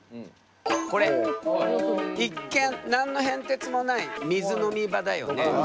一見何の変哲もない水飲み場だよね。